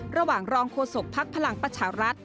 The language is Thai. ระหว่างรองโฆษกภักดิ์พลังประชารัฐ